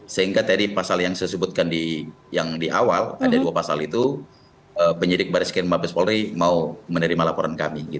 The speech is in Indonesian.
sehingga tadi pasal yang saya sebutkan yang di awal ada dua pasal itu penyidik baris krim mabes polri mau menerima laporan kami